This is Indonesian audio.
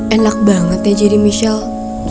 enak banget ya jadi michelle